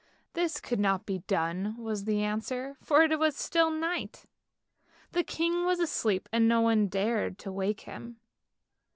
This could not be done, was the answer, for it was still night; the king was asleep and no one dared wake him.